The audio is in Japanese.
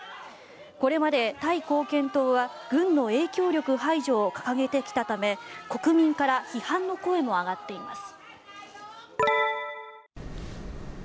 これまでタイ貢献党は軍の影響力排除を掲げてきたため国民から批判の声も上がっています。